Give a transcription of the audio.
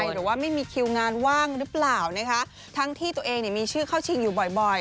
หรือว่าไม่มีคิวงานว่างหรือเปล่านะคะทั้งที่ตัวเองเนี่ยมีชื่อเข้าชิงอยู่บ่อยบ่อย